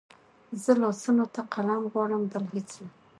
زه لاسونو ته قلم غواړم بل هېڅ نه